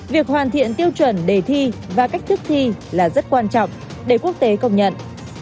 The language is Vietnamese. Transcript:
việc hoàn thiện tiêu chuẩn đề thi và cách thức thi là rất quan trọng để quốc tế công nhận